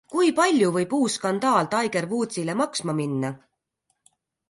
Kui palju võib uus skandaal Tiger Woodsile maksma minna?